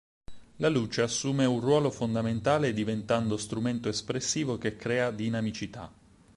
La luce assume un ruolo fondamentale diventando strumento espressivo che crea dinamicità.